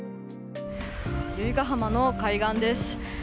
由比ガ浜の海岸です。